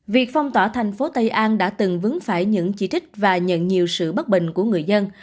việc phong tỏa thành phố tây an đã từng vướng phải những chỉ trích và nhận nhiều sự bất bình của người dân